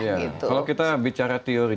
kalau kita bicara teori